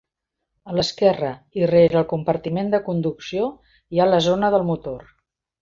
A l'esquerra i rere el compartiment de conducció, hi ha la zona del motor.